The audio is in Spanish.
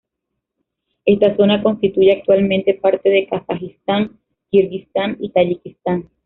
Esta zona constituye actualmente parte de Kazajistán, Kirguistán y Tayikistán.